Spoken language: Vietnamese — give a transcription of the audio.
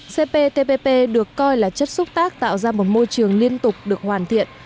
cptpp được coi là chất xúc tác tạo ra một môi trường liên tục được hoàn thiện